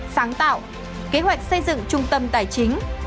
sáng tạo kế hoạch xây dựng trung tâm tài chính